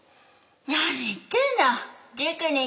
何言ってるの。